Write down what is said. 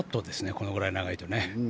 これくらい長いとね。